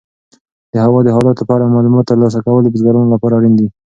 د هوا د حالاتو په اړه معلومات ترلاسه کول د بزګرانو لپاره اړین دي.